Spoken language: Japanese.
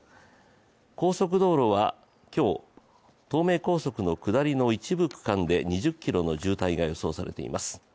高速道路は今日、東名高速の下りの一部区間で２０ｋｍの渋滞が予想されています。